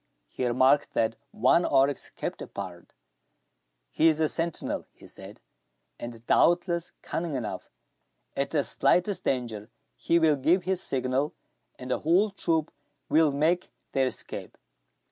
He remarked that one oryx kept apart. "He is a sentinel," he said, "and doubtless cunning enough. At the slightest danger, he will give his signal, and the whole troop will make their escape.